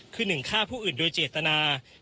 คือ๑ฆ่าผู้อื่นโดยเจตนา